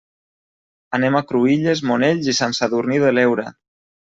Anem a Cruïlles, Monells i Sant Sadurní de l'Heura.